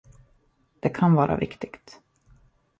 Det kan vara viktigt.